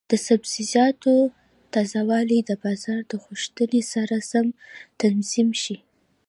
د سبزیجاتو تازه والي د بازار د غوښتنې سره سم تنظیم شي.